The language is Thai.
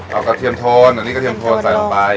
เอากระเทียมโทนอันนี้กระเทียมโทนใส่ลงไป